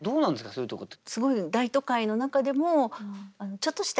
そういうとこって。